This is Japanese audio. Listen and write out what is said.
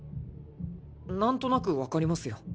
何となく分かりますよ。